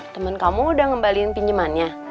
temen kamu udah ngembalikan pinjemannya